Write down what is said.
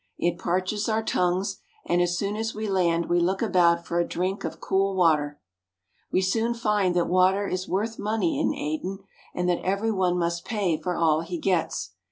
It parches our tongues, and as soon as we land we look about for a drink of cool water. We soon find that water is worth money in Aden, and that every one must pay for all he gets.